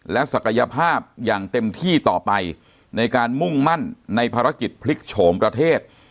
และศักยภาพอย่างเต็มที่ต่อไปในการมุ่งมั่นในภารกิจพลิกโฉมประเทศ